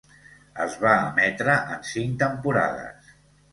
Es va emetre en cinc temporades.